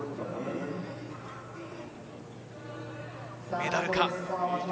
メダルか？